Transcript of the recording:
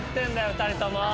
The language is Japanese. ２人とも。